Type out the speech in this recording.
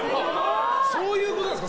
そういうことなんですか。